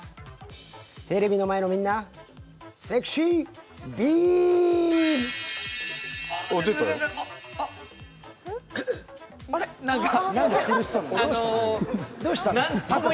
テレビの前のみんな、セクシービーム！